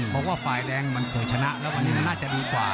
บอกว่าฝ่ายแดงมันเคยชนะแล้ววันนี้มันน่าจะดีกว่า